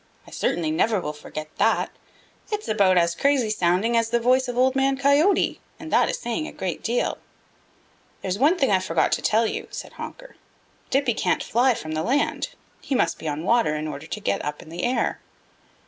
I certainly never will forget that. It's about as crazy sounding as the voice of Old Man Coyote, and that is saying a great deal." "There's one thing I forgot to tell you," said Honker. "Dippy can't fly from the land; he must be on the water in order to get up in the air."